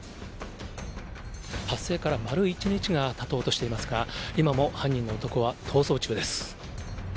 発生から丸１日がたとうとしていますが、今も犯人の男は逃走中です。